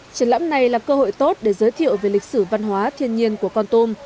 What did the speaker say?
triển lãm này là cơ hội tốt để giới thiệu về lịch sử văn hóa thiên nhiên của con tum